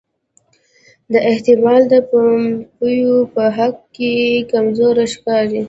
دا احتمال د پومپیو په حق کې کمزوری ښکاري.